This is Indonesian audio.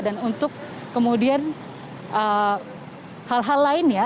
dan untuk kemudian hal hal lainnya